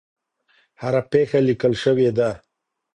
هره پېښه لیکل شوې ده.